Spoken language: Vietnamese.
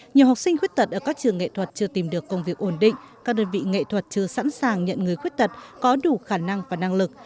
nhiều học sinh khuyết tật ở các trường nghệ thuật chưa tìm được công việc ổn định các đơn vị nghệ thuật chưa sẵn sàng nhận người khuyết tật có đủ khả năng và năng lực